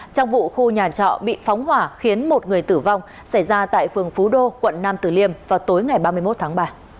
trong vụ khu nhà trọ bị phóng hỏa khiến một người tử vong xảy ra tại phường phú đô quận nam tử liêm vào tối ngày ba mươi một tháng ba